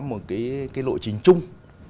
một cái lộ trình chung